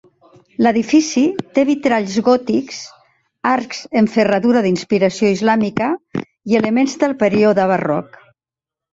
L'edifici té vitralls gòtics, arcs en ferradura d'inspiració islàmica i elements del període barroc.